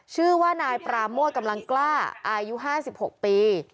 ชื่อว่านายปราโมทกำลังกล้าอายุ๕๖ปี